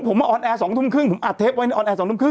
ผมมาออนแอร์๒ทุ่มครึ่งผมอัดเทปไว้ในออนแอร์๒ทุ่มคร